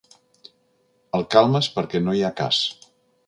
El calmes perquè no hi ha cas.